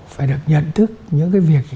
phải được nhận thức những cái việc